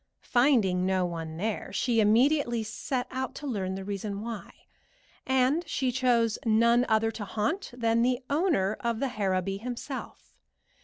Finding no one there, she immediately set out to learn the reason why, and she chose none other to haunt than the owner of the Harrowby himself.